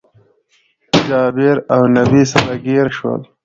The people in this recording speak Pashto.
جابير اونبي سره ګير شول